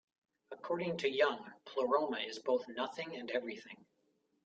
According to Jung, pleroma is both nothing and everything.